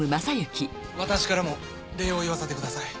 私からも礼を言わせてください。